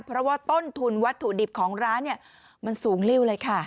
เพราะว่าต้นทุนวัตถุดิบของร้านเนี่ยมันสูงริ้วเลยค่ะ